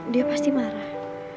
dia pasti marah